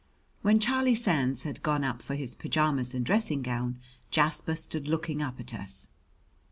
When Charlie Sands had gone up for his pajamas and dressing gown, Jasper stood looking up at us.